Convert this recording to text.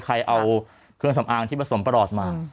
ใครเอาเครื่องสำอางที่ผสมประหลอดมา